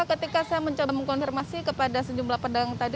ketika saya mencoba mengkonfirmasi kepada sejumlah pedagang tadi